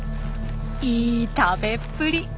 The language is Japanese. いい食べっぷり。